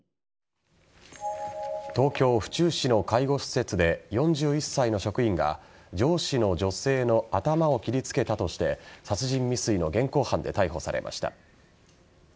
東京・府中市の介護施設で４１歳の職員が上司の女性の頭を切りつけたとして殺人未遂の現行犯で逮捕されました。